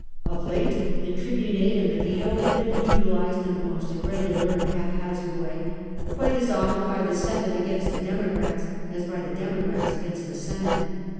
Of late the tribunate and the veto had been utilised in the most irregular and haphazard way, quite as often by the Senate against the Democrats as by the Democrats against the Senate.